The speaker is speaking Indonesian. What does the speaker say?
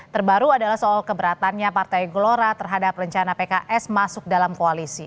terbaru adalah soal keberatannya partai gelora terhadap rencana pks masuk dalam koalisi